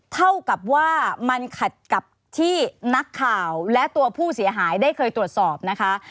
เท่ากับว่ามันขัดกับที่นักข่าวและตัวผู้เสียหายได้เคยตรวจสอบนะคะ